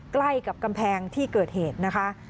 ใกล้กับกำแพงที่เกิดเหตุนะคะ